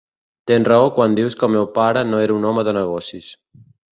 Tens raó quan dius que el meu pare no era un home de negocis.